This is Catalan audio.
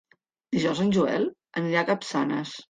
Dijous en Joel anirà a Capçanes.